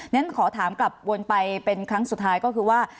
ฉันขอถามกลับวนไปเป็นครั้งสุดท้ายก็คือว่า